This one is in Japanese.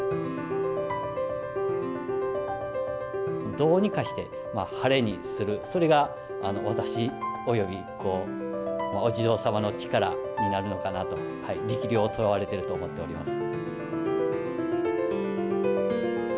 どうにかして晴れにするそれが私およびお地蔵様の力になるのかなと力量を問われていると思っております。